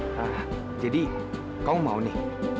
hah jadi kau mau nih